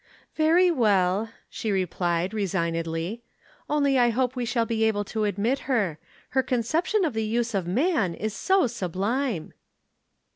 "Very well," she replied resignedly. "Only I hope we shall be able to admit her. Her conception of the use of man is so sublime!"